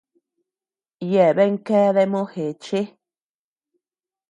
Yeabean keadea mojeché.